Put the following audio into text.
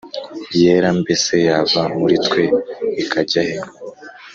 yera Mbese yava muri twe ikajya he